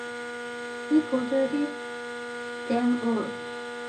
He courted them all.